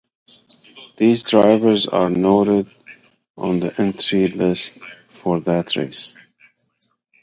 These drivers are noted on the entry list for that race.